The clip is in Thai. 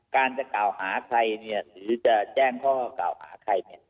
การจะกล่าวหาใครเนี่ยหรือจะแจ้งข้อกล่าวหาใครเนี่ย